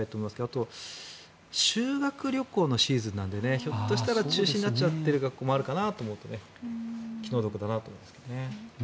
あと、修学旅行のシーズンなのでひょっとしたら中止になってる学校もあるかなと思って気の毒だなと思いますけどね。